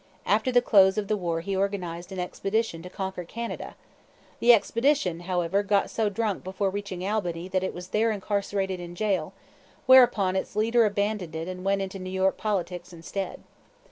After the close of the war he organized an expedition to conquer Canada. The expedition, however, got so drunk before reaching Albany that it was there incarcerated in jail, whereupon its leader abandoned it and went into New York politics instead.